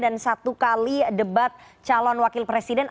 dan satu kali debat calon wakil presiden